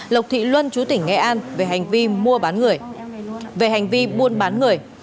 lộc thị luân chú tỉnh nghệ an về hành vi mua bán người về hành vi buôn bán người